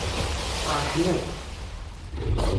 Feṛḥen akk.